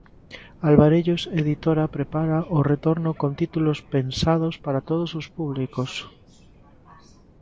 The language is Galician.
Alvarellos editora prepara o retorno con títulos pensados para todos os públicos.